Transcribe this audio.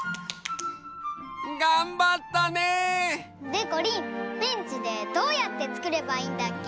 がんばったね！でこりんペンチでどうやってつくればいいんだっけ？